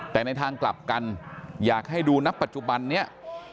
แต่ในทางกลับกันอยากให้ดูณปัจจุบันนี้